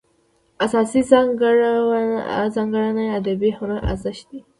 اساسي ځانګړنه یې ادبي هنري ارزښت دی.